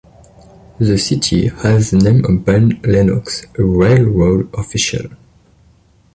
The city has the name of Ben Lennox, a railroad official.